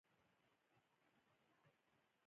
د هوواوي بلوتوت مې له هیډفون سره ونښلید.